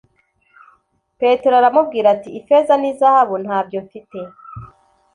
Petero aramubwira ati: ‘Ifeza n’izahabu nta byo mfite’. »